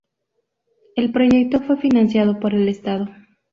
El proyecto fue financiado por el Estado.